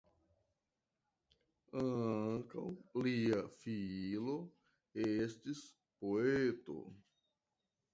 Ankaŭ lia filo estis poeto.